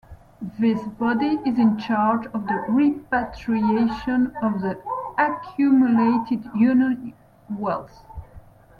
This body is in charge of the repatriation of the accumulated union wealth.